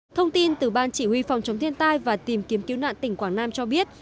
thông tin từ ban chỉ huy phòng chống thiên tai và tìm kiếm cứu nạn tỉnh quảng nam cho biết